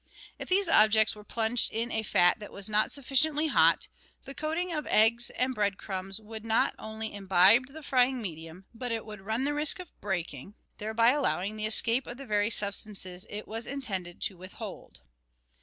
If these objects were plunged in a fat that was not suffi ciently hot, the coating of egg and bread crumbs would not only imbibe the frying medium, but it would run the risk of breaking, thereby allowing the escape of the very substances it was intended to withhold.